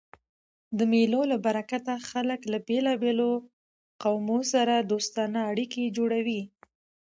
د مېلو له برکته خلک له بېلابېلو قومو سره دوستانه اړیکي جوړوي.